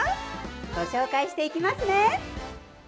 ご紹介していきますね！